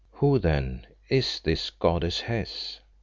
Who, then, is this goddess Hes?"